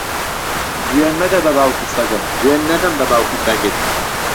جوێن مەدە بە باوکی سەگم، جوێن نەدەم بە باوکی بەگت.